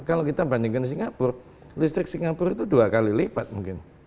kalau kita bandingkan singapura listrik singapura itu dua kali lipat mungkin